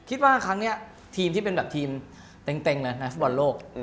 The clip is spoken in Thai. คิดว่าครั้งนี้ทีมที่เป็นแบบทีมเต็งเลยในฟุตบอลโลก